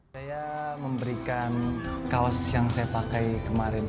saya memberikan kaos yang saya pakai kemarin